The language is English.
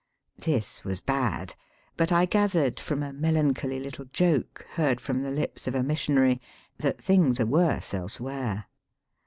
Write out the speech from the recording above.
This was bad, but I gathered from a melan choly little joke, heard from the lips of a missionary, that things are worse elsewhere.